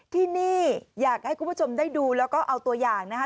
ที่นี่อยากให้คุณผู้ชมได้ดูแล้วก็เอาตัวอย่างนะคะ